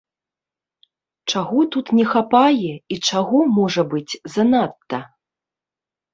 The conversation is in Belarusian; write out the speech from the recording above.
Чаго тут не хапае і чаго, можа быць, занадта?